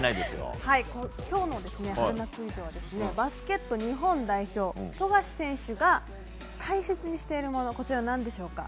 今日の春奈クイズはバスケット日本代表富樫選手が大切にしているものは何でしょうか。